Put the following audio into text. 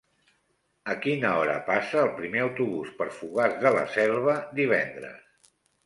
A quina hora passa el primer autobús per Fogars de la Selva divendres?